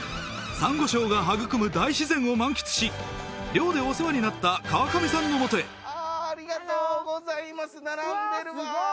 サンゴ礁が育む大自然を満喫し漁でお世話になった河上さんのもとへありがとうございますハロー並んでるわうわ